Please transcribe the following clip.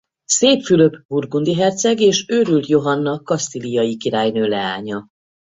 Szép Fülöp burgundi herceg és Őrült Johanna kasztíliai királynő leánya.